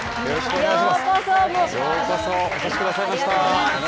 ようこそお越しくださいました。